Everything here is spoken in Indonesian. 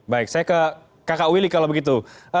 baik saya ke kakak willy kalau begitu